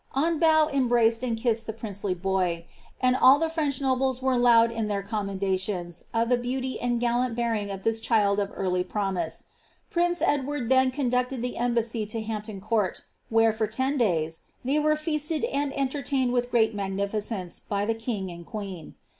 Anncbaut embraced and kissed the princely boy, and all the French nobles were loud in their commenda tions of the beauty and gallant bearing of this child of early promise. Prince Edward then conducted the embassy to Hampton Court, where* for ten days, they were feasted and entertained with great raagnificeoce* by the king and queen.